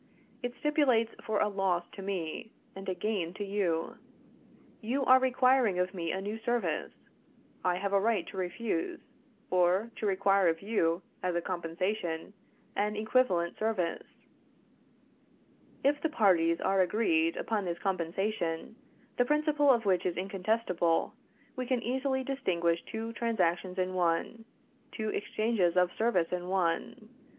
It stipulates for a loss to me, and a gain to you. You are requiring of me a new service; I have a right to refuse, or to require of you, as a compensation, an equivalent service." If the parties are agreed upon this compensation, the principle of which is incontestable, we can easily distinguish two transactions in one, two exchanges of service in one.